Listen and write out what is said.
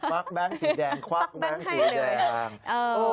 ฟักแบงก์สีแดงควักแบงก์สีแดง